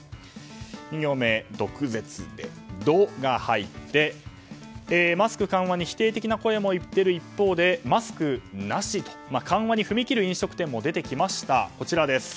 ２行目、毒舌で「ド」が入ってマスク緩和に否定的な声も言っている一方でマスクなしと緩和に踏み切る飲食店も出てきました。